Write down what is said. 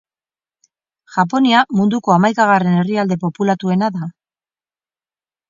Japonia munduko hamaikagarren herrialde populatuena da.